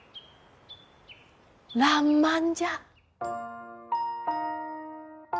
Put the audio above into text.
らんまんじゃ。